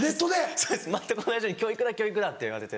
そうです全く同じように教育だ教育だって言われて。